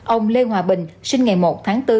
ông lê hòa bình sinh ngày một tháng bốn